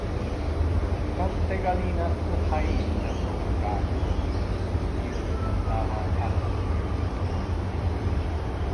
Quante gallinas ha il pro un gallo? Io demandava al agricultor.